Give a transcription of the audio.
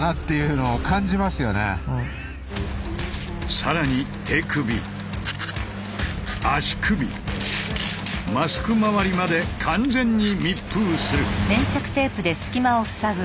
更に手首足首マスクまわりまで完全に密封する。